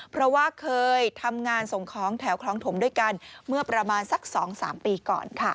เพราะว่าเคยทำงานส่งของแถวคลองถมด้วยกันเมื่อประมาณสัก๒๓ปีก่อนค่ะ